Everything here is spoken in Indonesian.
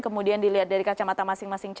kemudian dilihat dari kacamata masing masing